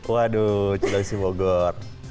waduh cilengsi bogor